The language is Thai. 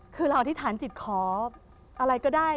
คือเราอธิษฐานจิตขออะไรก็ได้